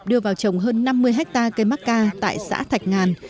đưa vào trồng hơn năm mươi hectare cây mắc ca tại xã thạch ngàn